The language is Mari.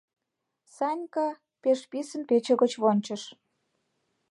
Санька пеш писын пече гоч вончыш.